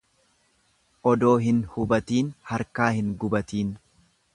Odoo hin hubatiin harkaa hin gubatiin.